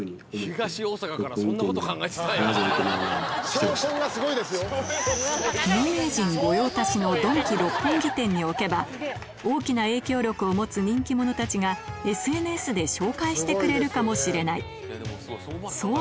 正解は有名人御用達のドンキ六本木店に置けば大きな影響力を持つ人気者たちがＳＮＳで紹介してくれるかもしれないそう